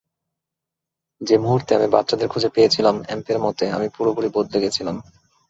যে মুহুর্তে আমি বাচ্চাদের খুঁজে পেয়েছিলাম, অ্যাম্পের মতে আমি পুরোপুরি বদলে গেছিলাম।